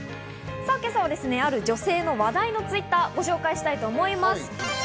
今朝はある女性の話題のＴｗｉｔｔｅｒをご紹介したいと思います。